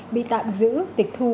bị tạm giữ tịch thu